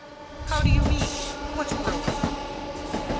"How do you mean? What ruin?"